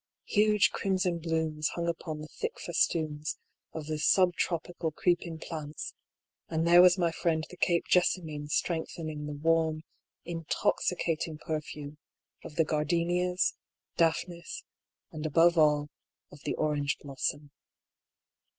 Huge crimson blooms hung upon the thick festoons of the sub tropical creeping plants, and there was my friend the Cape jessamine strengthening the warm, intoxi cating perfume of the gardenias, daphnes, and, aboye all, of the orange blossom.